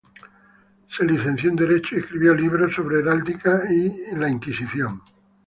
Se licenció en derecho y escribió libros sobre heráldica y sobre la inquisición.